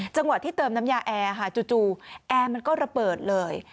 จังหวะที่เติมน้ำยาแอร์ค่ะจู่แอร์มันก็ระเบิดเลย